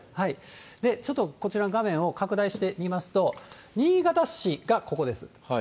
ちょっとこちら画面を拡大してみますと、新潟市がここです。